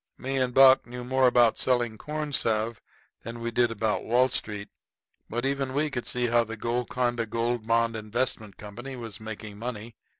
Me and Buck knew more about selling corn salve than we did about Wall Street, but even we could see how the Golconda Gold Bond Investment Company was making money.